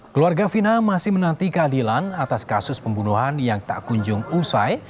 keluarga fina masih menanti keadilan atas kasus pembunuhan yang tak kunjung usai